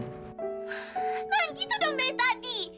nah gitu dong may tadi